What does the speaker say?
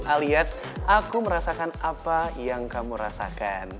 alias aku merasakan apa yang kamu rasakan